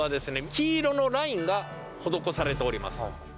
黄色のラインが施されております。